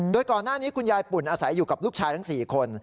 โดยก่อนหน้านี้คุณยายปุ่นอาศัยอยู่กับลูกชายทั้ง๔คน